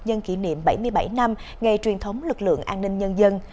nhân kỷ niệm bảy mươi bảy năm ngày truyền thống lực lượng an ninh nhân dân